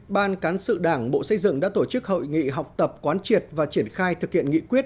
ban cán sự đảng bộ xây dựng đã tổ chức hội nghị học tập quán triệt và triển khai thực hiện nghị quyết